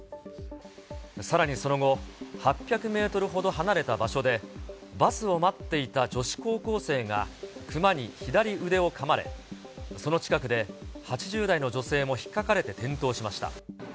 さらにその後、８００メートルほど離れた場所で、バスを待っていた女子高校生がクマに左腕をかまれ、その近くで８０代の女性もひっかかれて転倒しました。